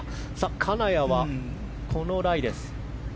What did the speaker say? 金谷は、このライです。